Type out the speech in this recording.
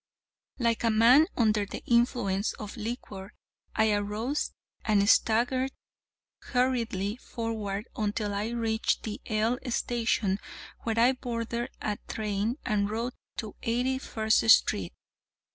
Like a man under the influence of liquor I arose and staggered hurriedly forward until I reached the "L" station where I boarded a train and rode up to Eighty first street.